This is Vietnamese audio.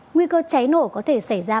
nguy cơ cháy nổ có thể xảy ra